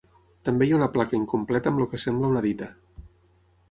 També hi ha una placa incompleta amb el que sembla una dita.